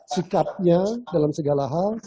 sikapnya dalam segala hal